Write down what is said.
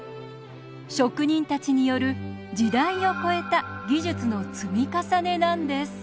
職人たちによる時代をこえた技術の積み重ねなんです。